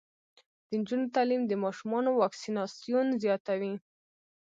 د نجونو تعلیم د ماشومانو واکسیناسیون زیاتوي.